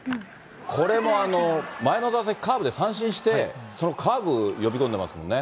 これも前の打席、カーブで三振して、そのカーブを呼び込んでますもんね。